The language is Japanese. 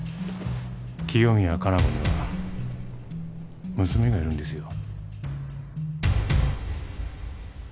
清宮加奈子には娘がいるんですよ。